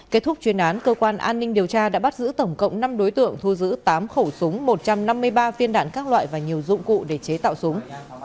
kết thúc chuyên án cơ quan an ninh điều tra đã bắt giữ tổng cộng năm đối tượng thu giữ tám khẩu súng một trăm năm mươi ba viên đạn các loại và nhiều dụng cụ để chế tạo súng